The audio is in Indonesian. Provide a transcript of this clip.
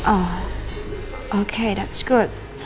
oh oke itu bagus